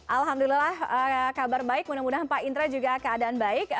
alhamdulillah kabar baik mudah mudahan pak indra juga keadaan baik